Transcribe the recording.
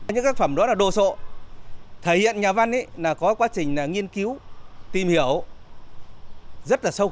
những các phẩm đó là đồ sộ thể hiện nhà văn ấy là có quá trình nghiên cứu tìm hiểu rất là sâu